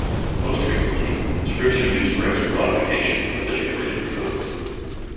Most frequently scripts are used for extra modification of the generated code.